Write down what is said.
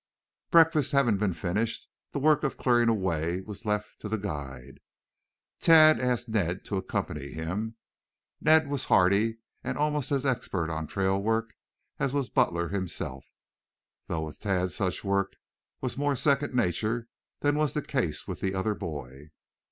Breakfast having been finished, the work of clearing away was left to the guide. Tad asked Ned to accompany him. Ned was hardy and almost as expert on trail work as was Butler himself, though with Tad such work was more second nature than was the case with the other boy.